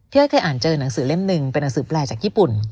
อ้อยเคยอ่านเจอหนังสือเล่มหนึ่งเป็นหนังสือแปลจากญี่ปุ่น